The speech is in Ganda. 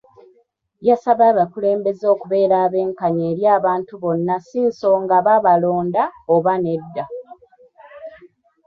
Yasabye abakulembeze okubeera abenkanya eri abantu bonna si nsonga baabalonda oba nedda.